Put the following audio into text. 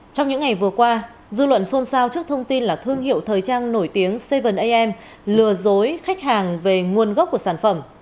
trong những ngày vừa qua dư luận xôn xao trước thông tin là thương hiệu thời trang nổi tiếng seven am lừa dối khách hàng về nguồn gốc của sản phẩm